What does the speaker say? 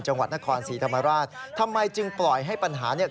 จังหวัดนครศรีธรรมราชทำไมจึงปล่อยให้ปัญหาเนี่ย